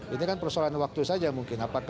ini kan persoalan waktu saja mungkin